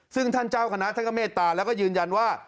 ซึ่งท่านเจ้าคณะท่านก็เมตตาแล้วก็ยืนยันว่า